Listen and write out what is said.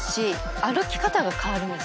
歩き方が変わるんです。